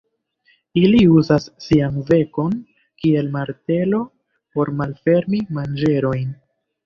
Ili uzas sian bekon kiel martelo por malfermi manĝerojn.